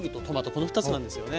この２つなんですよね。